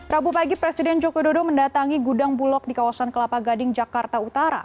rabu pagi presiden joko widodo mendatangi gudang bulog di kawasan kelapa gading jakarta utara